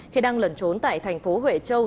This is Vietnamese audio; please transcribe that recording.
khi đang lẩn trốn tại thành phố huệ châu